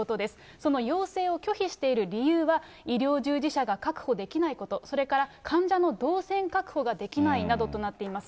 その要請を拒否している理由は、医療従事者が確保できないこと、それから患者の動線確保ができないなどとなっています。